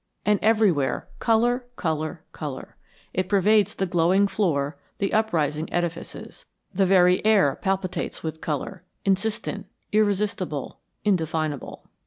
And everywhere color, color, color. It pervades the glowing floor, the uprising edifices. The very air palpitates with color, insistent, irresistible, indefinable.